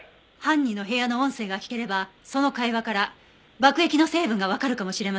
犯人の部屋の音声が聞ければその会話から爆液の成分がわかるかもしれません。